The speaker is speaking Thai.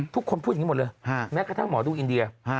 ทุกคนพูดอย่างนี้หมดเลยแม้กระทั่งหมอดูอินเดีย